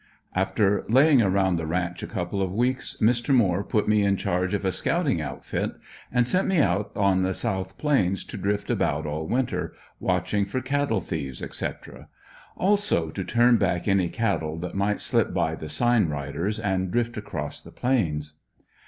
After laying around the ranch a couple of weeks, Mr. Moore put me in charge of a scouting outfit and sent me out on the South Plains to drift about all winter, watching for cattle thieves, etc.; also to turn back any cattle that might slip by the "sign riders" and drift across the Plains.